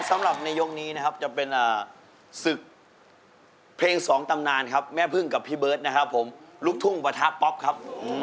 ครับผมที่ในยกนี้นะครับจะเป็นศึกเพลง๒ตำนานครับ